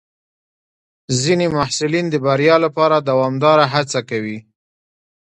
ځینې محصلین د بریا لپاره دوامداره هڅه کوي.